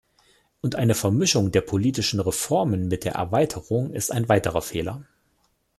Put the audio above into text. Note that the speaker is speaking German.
Und eine Vermischung der politischen Reformen mit der Erweiterung ist ein weiterer Fehler.